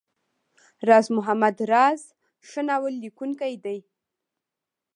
راز محمد راز ښه ناول ليکونکی دی.